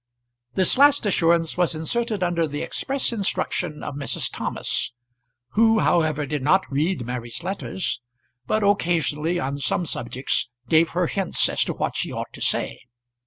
This last assurance was inserted under the express instruction of Mrs. Thomas, who however did not read Mary's letters, but occasionally, on some subjects, gave her hints as to what she ought to say.